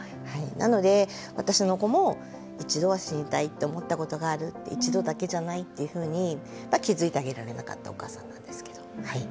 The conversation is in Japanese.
なので私の子も一度は死にたいって思ったことがあるって一度だけじゃないっていうふうに気付いてあげられなかったお母さんなんですけど。